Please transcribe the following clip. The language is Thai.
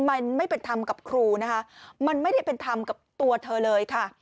มันไม่เป็นธรรมกับครูนะคะมันไม่ได้เป็นธรรมกับตัวเธอเลยค่ะ